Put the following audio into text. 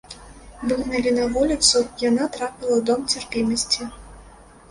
Выгналі на вуліцу, яна трапіла ў дом цярпімасці.